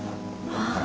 ああ。